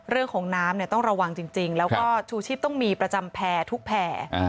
เรื่องของน้ำเนี่ยต้องระวังจริงแล้วก็ชูชีพต้องมีประจำแพร่ทุกแผ่